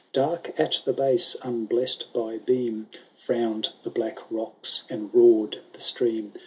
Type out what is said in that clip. Dark at the base, unblest by beam. Frowned the black rocks, and roar*d the stream.